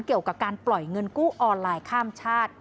เกี่ยวกับการปล่อยเงินกู้ออนไลน์ข้ามชาติ